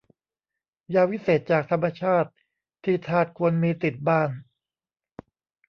ยาวิเศษจากธรรมชาติที่ทาสควรมีติดบ้าน